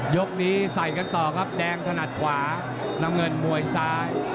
ยกนี้ใส่กันต่อครับแดงถนัดขวาน้ำเงินมวยซ้าย